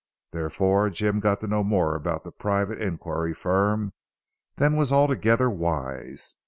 Therefore Jim got to know more about the Private Inquiry Firm than was altogether wise.